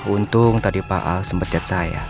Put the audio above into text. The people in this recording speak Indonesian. untung tadi pak al sempet jet saya